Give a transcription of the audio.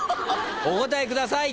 お答えください。